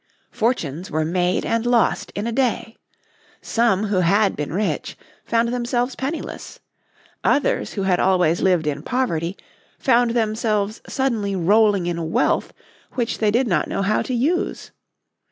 Fortunes were made and lost in a day. Some who had been rich found themselves penniless; others who had always lived in poverty found themselves suddenly rolling in wealth which they did not know how to use.